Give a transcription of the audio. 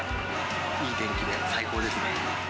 いい天気で最高ですね。